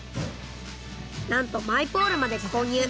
なんとマイポールまで購入。